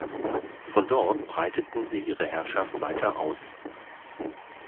Von dort breiteten sie ihre Herrschaft weiter aus.